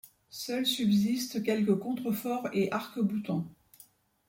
Seuls subsistent quelques contreforts et arcs-boutants.